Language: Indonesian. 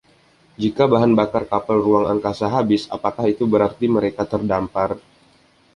Jika bahan bakar kapal ruang angkasa habis, apakah itu berarti mereka terdampar?